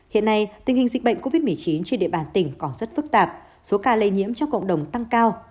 hiện nay tình hình dịch bệnh covid một mươi chín trên địa bàn tỉnh còn rất phức tạp số ca lây nhiễm trong cộng đồng tăng cao